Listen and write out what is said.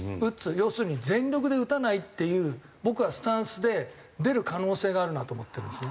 要するに全力で打たないっていうスタンスで出る可能性があるなと思ってるんですね。